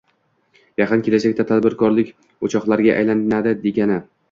yaqin kelajakda tadbirkorlik o‘choqlariga aylanadi, degani.